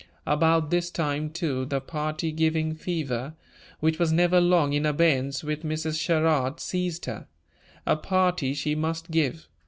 About this time, too, the party giving fever, which was never long in abeyance with Mrs. Sherrard, seized her. A party she must give.